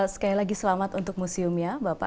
sekali lagi selamat untuk museumnya bapak